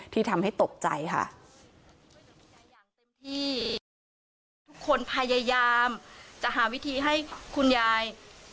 ที่ทำให้ตกใจค่ะทุกคนพยายามจะหาวิธีให้คุณยาย